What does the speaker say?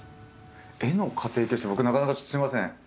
絵の家庭教師って僕なかなかちょっとすいません